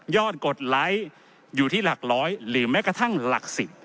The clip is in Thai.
กดไลค์อยู่ที่หลักร้อยหรือแม้กระทั่งหลัก๑๐